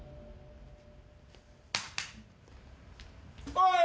おい。